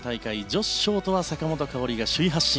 女子ショートは坂本花織が首位発進。